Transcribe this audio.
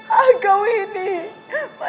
bapak mau operasi lagi ma